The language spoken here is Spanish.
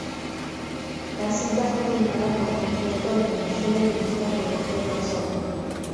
La cinta fue filmada por completo en Venezuela y dirigida por Alfredo Anzola.